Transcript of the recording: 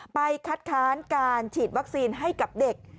คัดค้านการฉีดวัคซีนให้กับเด็ก